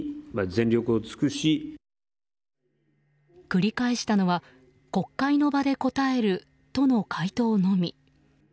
繰り返したのは国会の場で答えるとの回答のみ。